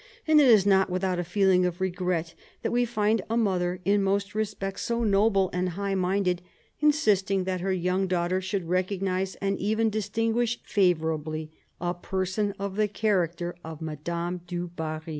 And it is not without a feeling of regret that we find a mother, in most respects so noble and high minded, 1765 70 DOMESTIC AFFAIRS 223 insisting that her young daughter should recognise and even distinguish favourably a person of the character of Madame du Barry.